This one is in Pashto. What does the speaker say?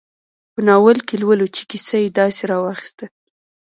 په ناول کې لولو چې کیسه داسې راواخیسته.